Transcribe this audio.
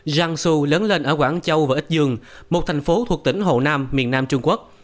zhang su lớn lên ở quảng châu và ích dương một thành phố thuộc tỉnh hồ nam miền nam trung quốc